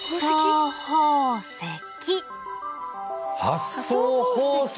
発想宝石？